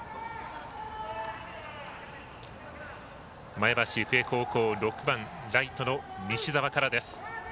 前橋育英高校６番、ライトの西澤からです。